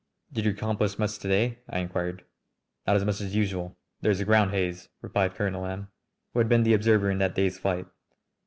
"Did you accomplish much to day?" I inquired. "Not as much as usual. There is a ground haze," replied Colonel M , who had been the observer in that day's flight.